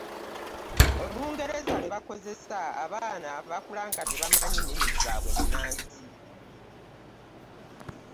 Olungereza lwe bakozesa abaana n'ebakula nga tebamanyi nnimi zaabwe nnansi